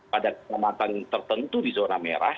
pada kecamatan tertentu di zona merah